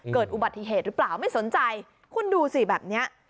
เกิดอุบัติเหตุหรือเปล่าไม่สนใจคุณดูสิแบบเนี้ย